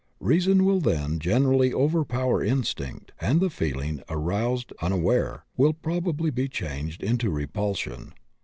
Reason will then generally overpower instinct, and the feeling, aroused unaware, will probably be changed into repulsion.